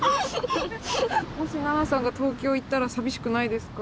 もし菜那さんが東京行ったら寂しくないですか？